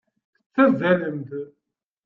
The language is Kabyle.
Tettazalemt.